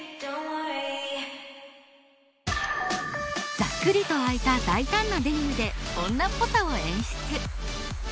ざっくりと開いた大胆なデニムで女っぽさを演出。